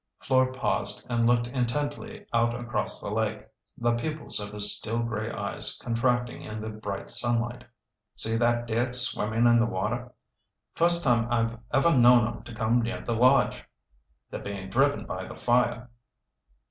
Fleur paused and looked intently out across the lake, the pupils of his steel gray eyes contracting in the bright sunlight. "See that deer swimmin' in the water. First time I've ever known 'em to come near the lodge. They're being driven by the fire."